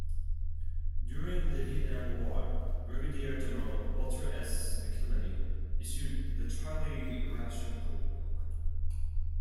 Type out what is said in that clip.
During the Vietnam War, Brigadier General Walter S. McIlhenny issued "The Charlie Ration Cookbook".